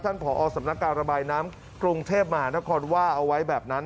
ผอสำนักการระบายน้ำกรุงเทพมหานครว่าเอาไว้แบบนั้น